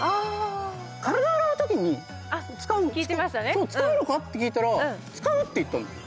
そう使うのかって聞いたら使うって言ったんですよ。